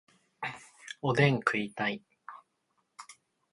おでん食いたい